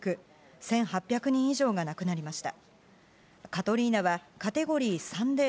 １８００人以上が亡くなりました。